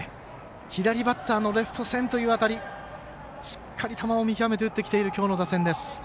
左バッターのレフト線という辺りしっかり球を見極めて打ってきているきょうの打線です。